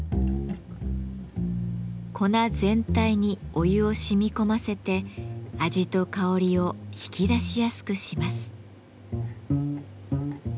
粉全体にお湯をしみ込ませて味と香りを引き出しやすくします。